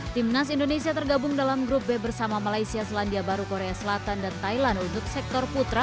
timnas indonesia tergabung dalam grup b bersama malaysia selandia baru korea selatan dan thailand untuk sektor putra